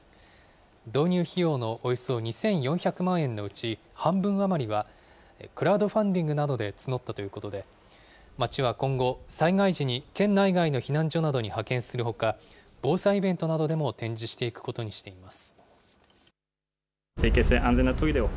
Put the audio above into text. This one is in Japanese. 導入費用のおよそ２４００万円のうち半分余りは、クラウドファンディングなどで募ったということで、町は今後、災害時に県内外の避難所などに派遣するほか、防災イベントなどでも展示していくことにしています。